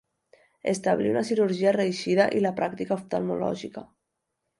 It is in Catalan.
Establí una cirurgia reeixida i la pràctica oftalmològica.